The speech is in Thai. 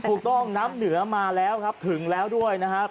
น้ำเหนือมาแล้วครับถึงแล้วด้วยนะครับ